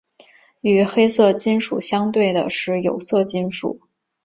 与黑色金属相对的是有色金属。